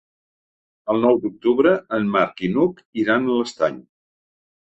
El nou d'octubre en Marc i n'Hug iran a l'Estany.